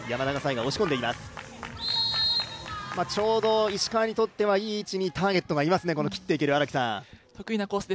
ちょうど石川にとってはいい位置にターゲットがいますね、切っていくコース。